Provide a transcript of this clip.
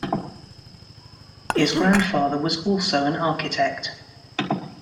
His grandfather was also an architect.